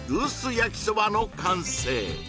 焼きそばの完成